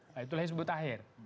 nah itu lah yang disebut akhir